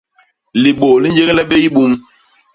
Libô li nyégle bé i bum.